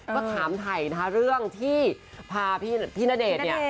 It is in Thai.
ก็ถามถ่ายเรื่องที่พาพี่ณเดชน์